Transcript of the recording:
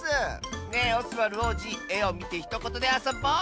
ねえオスワルおうじ「えをみてひとこと」であそぼう！